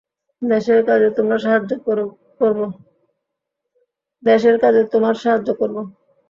দেশের কাজে তোমার সাহায্য করব।